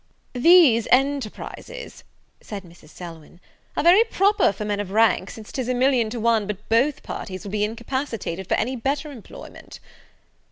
"These enterprises," said Mrs. Selwyn, "are very proper for men of rank, since 'tis a million to one but both parties will be incapacitated for any better employment."